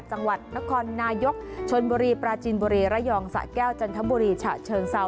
จังหวัดนครนายกชนบุรีปราจินบุรีระยองสะแก้วจันทบุรีฉะเชิงเซา